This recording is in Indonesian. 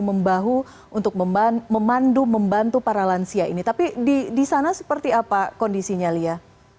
membahu untuk membantu memandu membantu para lansia ini tapi di disana seperti apa kondisinya lia